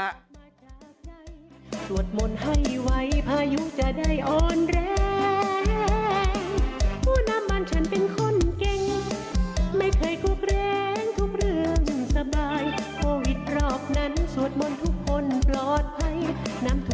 ในกรุกแรงทุกเรื่องสบายโควิดรอบนั้นสวดมนต์ทุกคนปลอดภัย